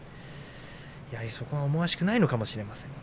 やはりそこが思わしくないのかもしれません。